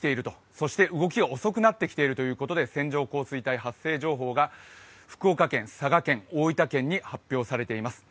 そして動きが遅くなってきているということで線状降水帯発生情報が福岡県、佐賀県、大分県に発表されています。